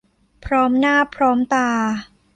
พร้อมหน้าพร้อมตา